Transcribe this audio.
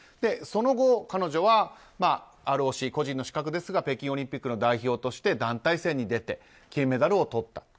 その後、彼女はＲＯＣ、個人の資格ですが北京オリンピックの代表として団体戦に出て金メダルをとった。